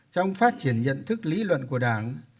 trong phát triển nhận thức lý luận của đảng